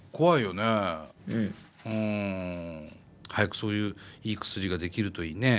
早くそういういい薬が出来るといいね。